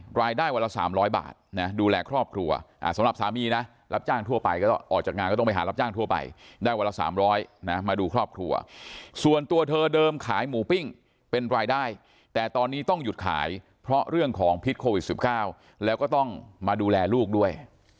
รายได้วันละ๓๐๐บาทนะดูแลครอบครัวสำหรับสามีนะรับจ้างทั่วไปก็ต้องออกจากงานก็ต้องไปหารับจ้างทั่วไปได้วันละ๓๐๐นะมาดูครอบครัวส่วนตัวเธอเดิมขายหมูปิ้งเป็นรายได้แต่ตอนนี้ต้องหยุดขายเพราะเรื่องของพิษโควิด๑๙แล้วก็ต้องมาดูแลลูกด้วย